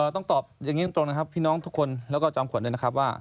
ต้องตอบอย่างนี้ตรงนะครับพี่น้องทุกคนแล้วก็จอมขวัญด้วยนะครับว่า